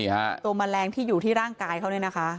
ตัวแมลงที่อยู่ที่ร่างกายเขาเนี่ยนะคะ